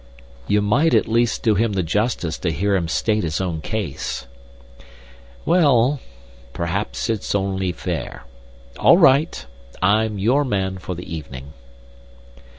"You might at least do him the justice to hear him state his own case." "Well, perhaps it's only fair. All right. I'm your man for the evening."